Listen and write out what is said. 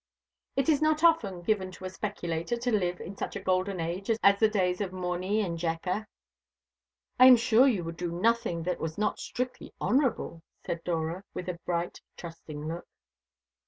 It is not often given to a speculator to live in such a golden age as the days of Morny and Jecker." "I am sure you would do nothing that was not strictly honourable," said Dora, with her bright trusting look.